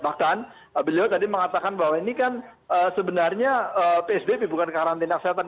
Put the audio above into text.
bahkan beliau tadi mengatakan bahwa ini kan sebenarnya psbb bukan karantina kesehatan